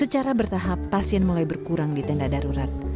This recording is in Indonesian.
secara bertahap pasien mulai berkurang di tenda darurat